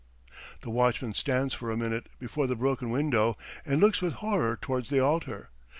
The watchman stands for a minute before the broken window and looks with horror towards the altar.